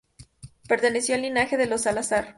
Perteneció al linaje de los Salazar.